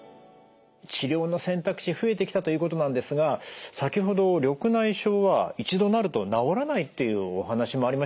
治療の選択肢増えてきたということなんですが先ほど緑内障は一度なると治らないというお話もありましたけど